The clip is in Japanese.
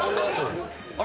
あれ？